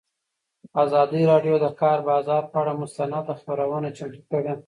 ازادي راډیو د د کار بازار پر اړه مستند خپرونه چمتو کړې.